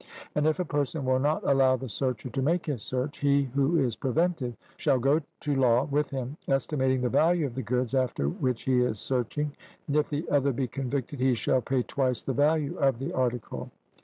And if a person will not allow the searcher to make his search, he who is prevented shall go to law with him, estimating the value of the goods after which he is searching, and if the other be convicted he shall pay twice the value of the article.